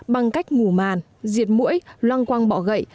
bằng cách ngủ màn diệt mũi loang quang bọ gậy